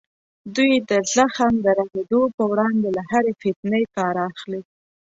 دوی د زخم د رغېدو په وړاندې له هرې فتنې کار اخلي.